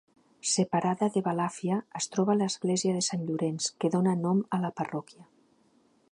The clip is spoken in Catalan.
Separada de Balàfia es troba l'església de Sant Llorenç, que dóna nom a la parròquia.